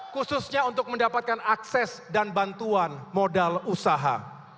khususnya untuk mendapatkan akses dan bantuan modal usaha